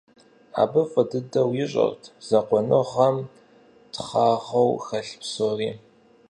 Абы фӀы дыдэу ищӀэрт закъуэныгъэм «тхъэгъуэу» хэлъ псори.